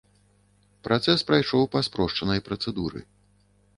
Працэс прайшоў па спрошчанай працэдуры.